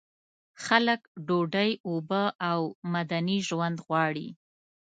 خلک ډوډۍ، اوبه او مدني ژوند غواړي.